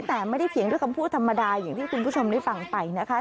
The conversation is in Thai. แต่ไม่ได้เถียงด้วยคำพูดธรรมดาอย่างที่คุณผู้ชมได้ฟังไปนะคะ